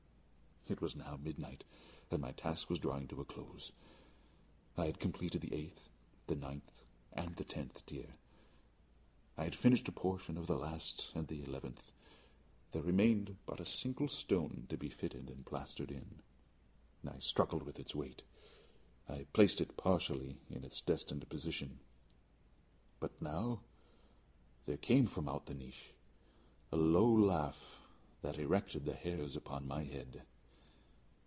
It was now midnight, and my task was drawing to a close. I had completed the eighth, the ninth, and the tenth tier. I had finished a portion of the last and the eleventh; there remained but a single stone to be fitted and plastered in. I struggled with its weight; I placed it partially in its destined position. But now there came from out the niche a low laugh that erected the hairs upon my head.